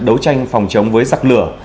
đấu tranh phòng chống với giặc lửa